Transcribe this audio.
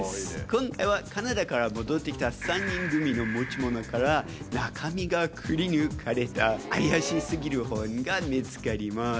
今回はカナダから戻ってきた３人組の持ち物から、中身がくりぬかれた怪しすぎる本が見つかります。